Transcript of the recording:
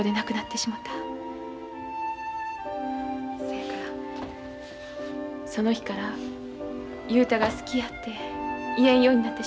そやからその日から雄太が好きやて言えんようになってしもた。